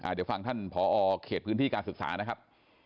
เดี๋ยวฟังท่านผอเขตพื้นที่การศึกษานะครับ